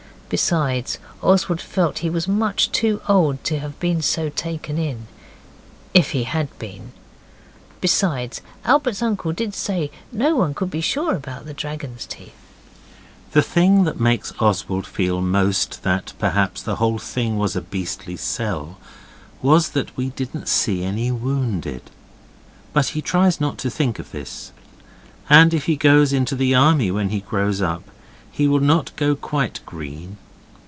Besides, Oswald felt he was much too old to have been so taken in if he HAD been. Besides, Albert's uncle did say that no one could be sure about the dragon's teeth. The thing that makes Oswald feel most that, perhaps, the whole thing was a beastly sell, was that we didn't see any wounded. But he tries not to think of this. And if he goes into the army when he grows up, he will not go quite green.